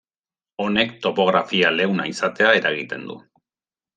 Honek topografia leuna izatea eragiten du.